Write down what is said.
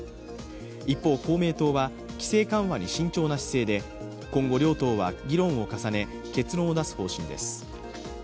一方、公明党は規制緩和に慎重な姿勢で、今後、両党は議論を重ね結論を出す方針です。